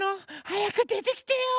はやくでてきてよ。